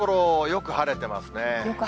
よく晴れてますねぇ。